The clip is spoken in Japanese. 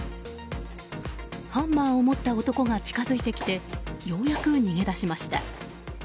ハンマーを持った男が近づいてきてようやく逃げ出しました。